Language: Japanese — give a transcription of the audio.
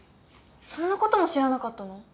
そんなことも知らなかったの？